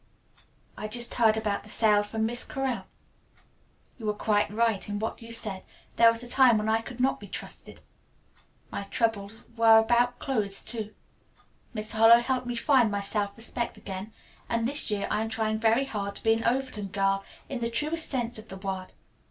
"I just heard about the sale from Miss Correll. You were quite right in what you said. There was a time when I could not be trusted. My trouble was about clothes, too. Miss Harlowe helped me find my self respect again, and this year I am trying very hard to be an Overton girl in the truest sense of the word.